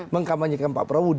mengkampanyekan pak prabowo